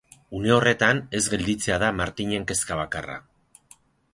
Une horretan, ez gelditzea da Martinen kezka bakarra.